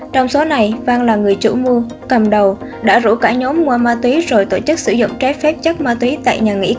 trong số này văn là người chủ mua cầm đầu đã rủ cả nhóm mua ma túy rồi tổ chức sử dụng trái phép chất ma túy tại nhà nghỉ tám